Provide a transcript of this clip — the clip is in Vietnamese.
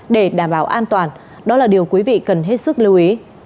để đảm bảo an toàn đó là điều quý vị cần hết sức lưu ý